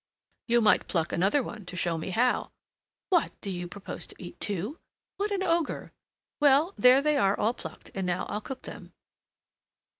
"You might pluck another one to show me how!" "What! do you propose to eat two? What an ogre! Well, there they are all plucked, and now I'll cook them."